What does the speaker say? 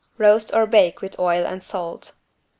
Roast or bake with oil and salt.